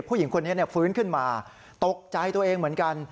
ผู้หญิงคนนี้ฟื้นขึ้นมาตกใจตัวเองเหมือนกัน